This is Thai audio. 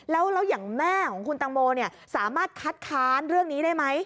แล้วอย่างแม่ของคุณตังโมสามารถคัดค้านเรื่องนี้ได้ไหม